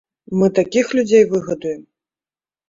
Мы такіх людзей выгадуем.